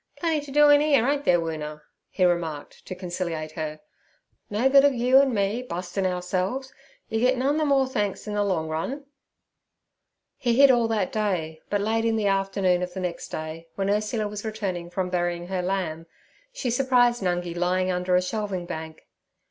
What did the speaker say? Plenty t' do in 'ere, ain't there, Woona?' he remarked to conciliate her. 'No good ov you, and me bustin' ourselves. Yer git none ther more thanks in ther long run.' He hid all that day, but late in the afternoon of the next day, when Ursula was returning from burying her lamb, she surprised Nungi lying under a shelving bank.